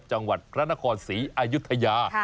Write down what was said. จังหวัดพระนครศรีอายุทยา